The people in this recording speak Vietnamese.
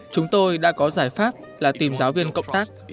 chúng tôi đã có giải pháp là tìm giáo viên cộng tác